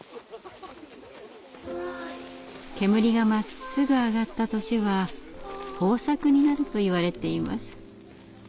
煙がまっすぐ上がった年は豊作になるといわれています。